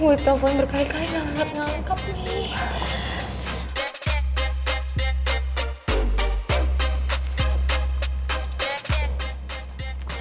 gue telpon berkali kali gak nganggep nganggep nih